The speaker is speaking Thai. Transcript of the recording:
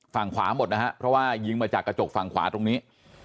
ฝั่งขวาหมดนะฮะเพราะว่ายิงมาจากกระจกฝั่งขวาตรงนี้